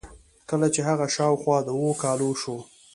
کله چې هغه شاوخوا د اوو کالو شو.